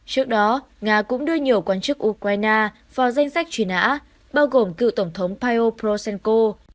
trước đó nga cũng đưa nhiều quan chức ukraine vào danh sách truy nã bao gồm cựu tổng thống pio prosehco